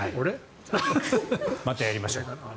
またやりましょう。